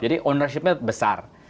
jadi ownership nya besar